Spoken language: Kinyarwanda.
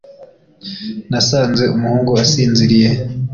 nasanze umuhungu asinziriye